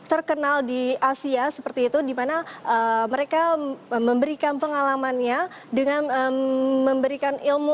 terkenal di asia seperti itu dimana mereka memberikan pengalamannya dengan memberikan ilmu